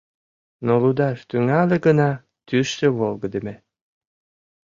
Но лудаш тӱҥале гына, тӱсшӧ волгыдеме.